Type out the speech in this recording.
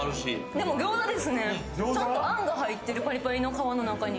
でも餃子ですね、ちゃんとあんが入ってるパリパリの皮の中に。